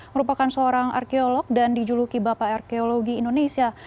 merupakan seorang arkeolog dan dijuluki bapak arkeologi indonesia